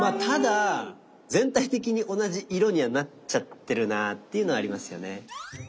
ただ全体的に同じ色にはなっちゃってるなっていうのはありますよね。